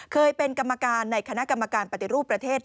เคยเป็นกรรมการในคณะกรรมการปฏิรูปประเทศ